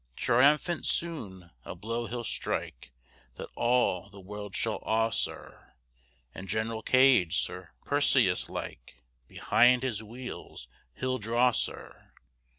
Triumphant soon a blow he'll strike, That all the world shall awe, sir, And General Gage, Sir Perseus like, Behind his wheels he'll draw, sir.